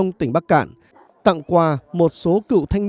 giữa việt nam và việt nam